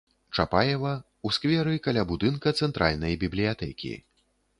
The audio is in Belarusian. Чапаева, у скверы каля будынка цэнтральнай бібліятэкі.